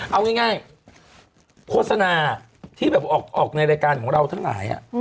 เอาง่ายโฆษณาที่แบบออกในรายการของเราทั้งหลาย